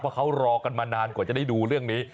เพราะเขารอกันมานานกว่าจะได้ดูเรื่องนี้